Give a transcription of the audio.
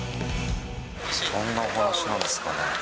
なんのお話なんですかね。